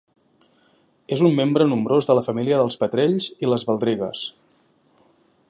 És un membre nombrós de la família dels petrells i les baldrigues.